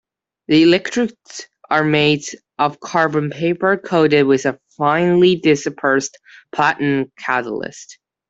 The electrodes are made of carbon paper coated with a finely dispersed platinum catalyst.